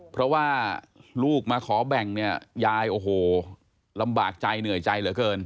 เพราะว่าลูกมาขอแบ่งเนี่ยยายโอ้โหลำบากใจเหนื่อยใจเหลือเกิน